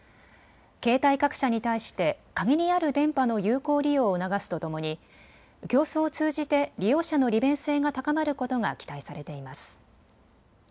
携帯各社に対して限りある電波の有効利用を促すとともに競争を通じて利用者の利便性が高まることが期待されています。